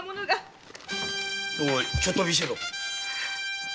おいちょっと見せてみろ。